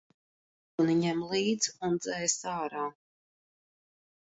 Uguni ņem līdz un dzēs ārā!